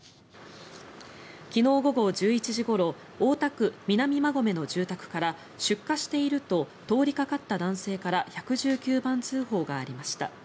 昨日午後１１時ごろ大田区南馬込の住宅から出火していると通りかかった男性から１１９番通報がありました。